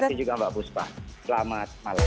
terima kasih juga mbak buspa selamat malam